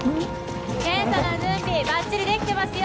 検査の準備ばっちりできてますよ。